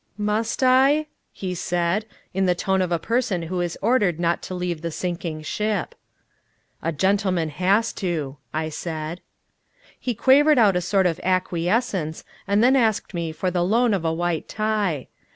"Must I?" he said, in the tone of a person who is ordered not to leave the sinking ship. "A gentleman has to," I said. He quavered out a sort of acquiescence, and then asked me for the loan of a white tie.